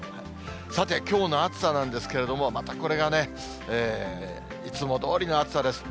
さて、きょうの暑さなんですけれども、またこれがね、いつもどおりの暑さです。